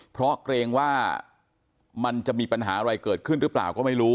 เพราะเกรงว่ามันจะมีปัญหาอะไรเกิดขึ้นหรือเปล่าก็ไม่รู้